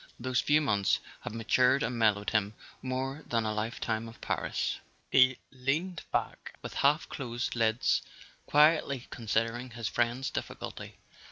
Those few months had matured and mellowed him more than a lifetime of Paris. He leaned back with half closed lids, quietly con¬ sidering his friend's difficulty.